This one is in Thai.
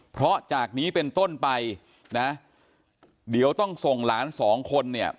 เพราะจากนี้เป็นต้นไปนะเดี๋ยวต้องส่งหลานสองคนเนี่ย